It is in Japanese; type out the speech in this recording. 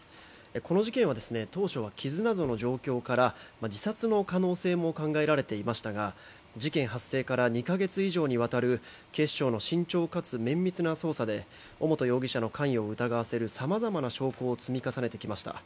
この事件は当初は傷などの状況から自殺の可能性も考えられていましたが事件発生から２か月以上にわたる警視庁の慎重かつ綿密な捜査で尾本容疑者の関与を疑わせる様々な証拠を積み重ねてきました。